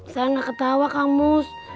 saya tidak ketawa kang mus